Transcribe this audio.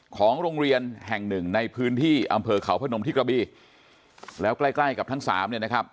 ของโรงเรียนแห่งหนึ่งในพื้นที่อำเภอเขาพนมที่กระบีแล้วใกล้ใกล้กับทั้งสามเนี่ยนะครับ